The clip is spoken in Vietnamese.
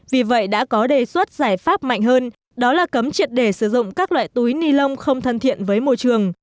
vì vậy đã có đề xuất giải pháp mạnh hơn đó là cấm triệt để sử dụng các loại túi ni lông không thân thiện với môi trường